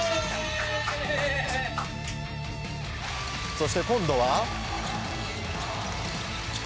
そして、今度は。